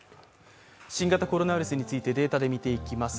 新型コロナウイルスについてデータで見ていきます。